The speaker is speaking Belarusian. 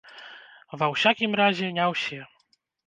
Ва ўсякім разе, не ўсе.